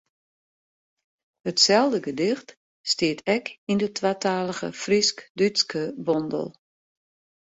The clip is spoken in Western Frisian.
Itselde gedicht stiet ek yn de twatalige Frysk-Dútske bondel.